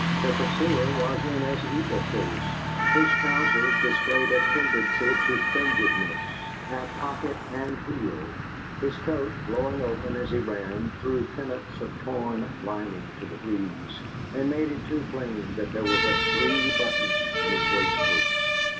Her pursuer was in as evil case; his trousers displayed a tendency to fringedness at pocket and heel; his coat, blowing open as he ran, threw pennants of torn lining to the breeze, and made it too plain that there were but three buttons on his waistcoat.